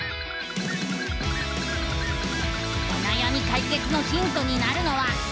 おなやみかいけつのヒントになるのは。